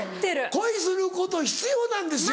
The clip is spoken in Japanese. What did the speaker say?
恋すること必要なんですよ。